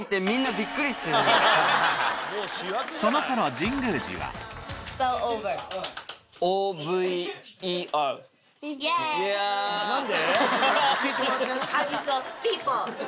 その頃神宮寺は何で？